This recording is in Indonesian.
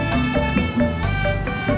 bang kopinya nanti aja ya